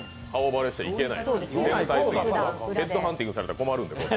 ヘッドハンティングされたら困るんで。